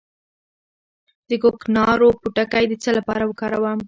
د کوکنارو پوټکی د څه لپاره وکاروم؟